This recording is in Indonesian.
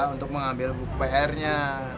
untuk mengambil buku prnya